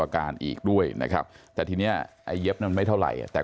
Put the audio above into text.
การอีกด้วยนะครับแต่ทีนี้ไอ้เย็บมันไม่เท่าไหร่แต่